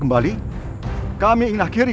memiliki apaan berat